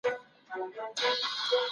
انسان به خپلو موخو ته رسیږي.